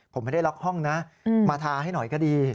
ผมไม่ได้ล็อกห้องนะมาทาให้หน่อยก็ดี